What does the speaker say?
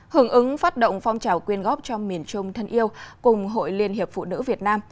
hưởng ứng phát động phong trào quyên góp cho miền trung thân yêu cùng hội liên hiệp phụ nữ việt nam